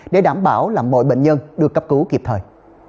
để đảm bảo là mọi bệnh nhân được cấp cứu kịp thời